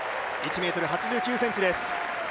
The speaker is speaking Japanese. １ｍ８９ｃｍです。